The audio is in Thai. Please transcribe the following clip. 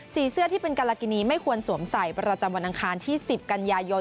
เสื้อที่เป็นการากินีไม่ควรสวมใส่ประจำวันอังคารที่๑๐กันยายน